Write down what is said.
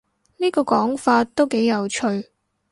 呢個講法都幾有趣